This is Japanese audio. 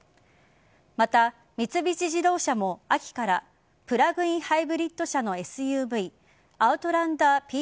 また、三菱自動車も秋からプラグインハイブリッド車のＳＵＶアウトランダー